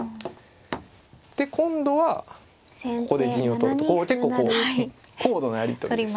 で今度はここで銀を取るとこう結構こう高度なやり取りですね。